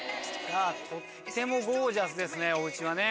とってもゴージャスですねお家はね。